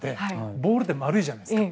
ボールって丸いじゃないですか。